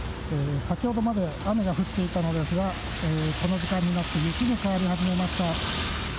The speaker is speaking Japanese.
先ほどまで雨が降っていたのですが、この時間になって雪に変わり始めました。